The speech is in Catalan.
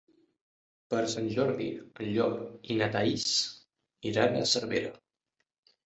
Per Sant Jordi en Llop i na Thaís iran a Cervera.